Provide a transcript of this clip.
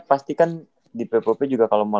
pastikan di ppp juga kalau mau